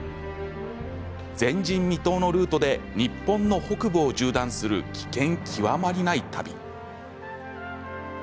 前人未到のルートで日本の北部を縦断する危険極まりない旅。